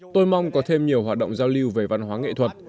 tôi mong có thêm nhiều hoạt động giao lưu về văn hóa nghệ thuật